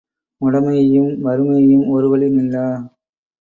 உடைமையும் வறுமையும் ஒரு வழி நில்லா.